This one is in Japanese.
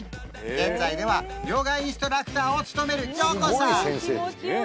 現在ではヨガインストラクターを務める洋子さん